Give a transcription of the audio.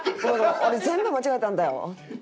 「俺全部間違えたんだよ」。